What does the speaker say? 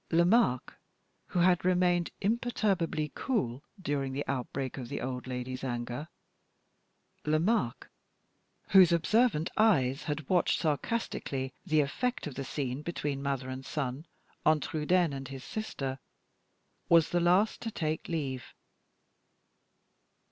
Lomaque, who had remained imperturbably cool during the outbreak of the old lady's anger Lomaque, whose observant eyes had watched sarcastically the effect of the scene between mother and son on Trudaine and his sister, was the last to take leave.